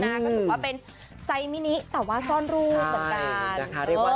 ก็ถือว่าเป็นไซมินิแต่ว่าซ่อนรูปเหมือนกัน